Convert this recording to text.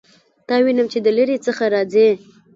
تا وینم چې د لیرې څخه راځې